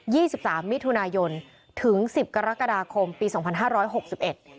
สิบสามมิถุนายนถึงสิบกรกฎาคมปีสองพันห้าร้อยหกสิบเอ็ด